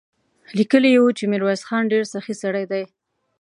ليکلي يې و چې ميرويس خان ډېر سخي سړی دی.